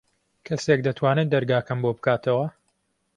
کەسێک دەتوانێت دەرگاکەم بۆ بکاتەوە؟